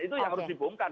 itu yang harus dibongkar